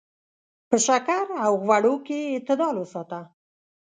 په شکر او غوړو کې اعتدال وساته.